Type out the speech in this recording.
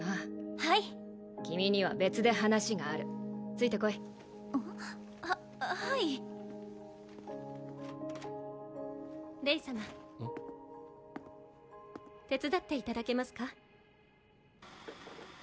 はい君には別で話があるついてこいははいレイ様手伝っていただけますか？